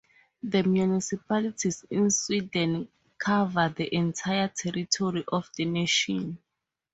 The municipalities in Sweden cover the entire territory of the nation.